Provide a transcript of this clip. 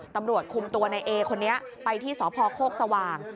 ตำรวจคุมตัวในเอคนนี้ไปที่สพโคกสว่าง